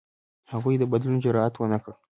هغوی د بدلون جرئت ونه کړ.